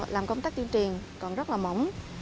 làm công tác tuyên truyền còn rất là mỏng